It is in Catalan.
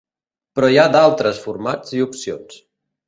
Però hi ha d'altres formats i opcions.